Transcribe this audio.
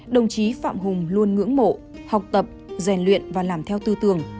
đồng chí phạm hùng luôn ngưỡng mộ học tập rèn luyện và làm theo tư tưởng